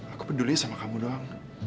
aku peduli sama kamu doang